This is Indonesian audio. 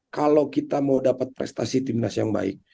kalau kita mau dapat prestasi timnas yang baik